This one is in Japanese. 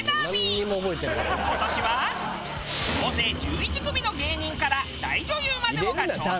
今年は総勢１１組の芸人から大女優までもが挑戦。